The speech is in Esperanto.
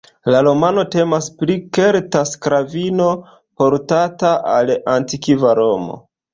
La romano temas pri kelta sklavino, portata al antikva Romo.